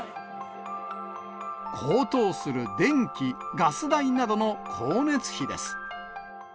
高騰する電気、ガス代などの光熱費です。